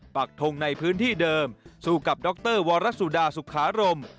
ปักทงในพื้นที่เดิมสู้กับดรวรสุดาสุขารม